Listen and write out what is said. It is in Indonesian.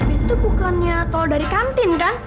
itu bukannya kalau dari kantin kan